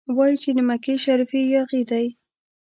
وايي چې د مکې شریف یاغي دی.